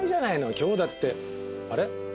今日だってあれ？